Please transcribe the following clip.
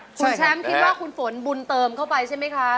คุณแชมป์คิดว่าคุณฝนบุญเติมเข้าไปใช่ไหมคะ